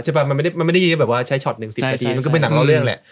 ใช่ป่ะมันไม่ได้แบบว่าใช้ช็อตหนึ่ง๑๐นาทีมันก็เป็นหนังเล่าเรื่องแหละ